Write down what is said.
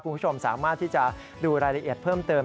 คุณผู้ชมสามารถที่จะดูรายละเอียดเพิ่มเติม